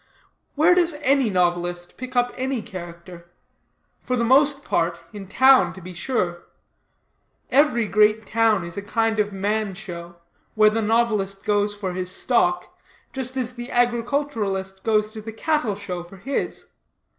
Where does any novelist pick up any character? For the most part, in town, to be sure. Every great town is a kind of man show, where the novelist goes for his stock, just as the agriculturist goes to the cattle show for his.